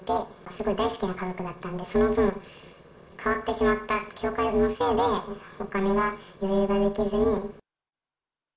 すごい大好きな家族だったんで、その分、変わってしまった、教会のせいで、お金が余裕ができずに。